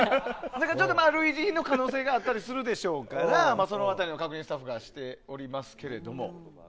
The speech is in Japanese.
ちょっと類似品の可能性があったりしますからその辺りの確認をスタッフがしておりますけれども。